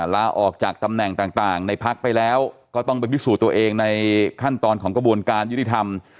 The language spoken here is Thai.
ลาออกจากตำแหน่งต่างในพักไปแล้วก็ต้องไปพิสูจน์ตัวเองในขั้นตอนของกระบวนการยุติธรรม